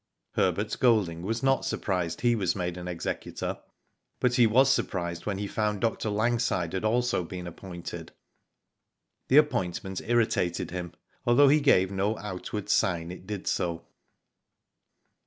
Herbert Golding was not surprised he was made an executor, but he was surprised when he found Dr. Langside had also been appointed. . This appointment irritated him although he gave no outward sign it did so.